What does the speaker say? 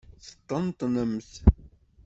Teṭṭenṭnemt?